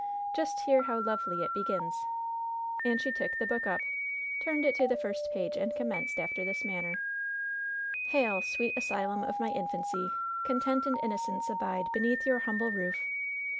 "Just hear how lovely it, begins!" And she took the book up, turned it to the first page and commenced after this manner: " ^Hail ! sweet asylum of my infancy ! Content and innocence abide beneath your humble roof!